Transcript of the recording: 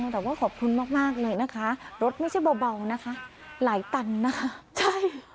แต่ว่าขอบคุณมากมากเลยนะคะรถไม่ใช่เบานะคะหลายตันนะคะใช่